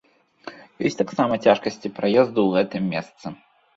Ёсць таксама цяжкасці праезду ў гэтым месцы.